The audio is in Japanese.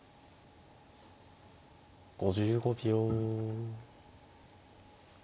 ５５秒。